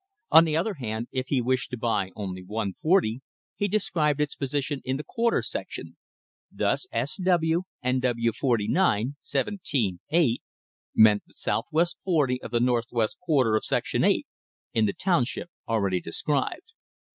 On the other hand, if he wished to buy only one forty, he described its position in the quarter section. Thus SW NW 49 17 8, meant the southwest forty of the northwest quarter of section 8 in the township already described.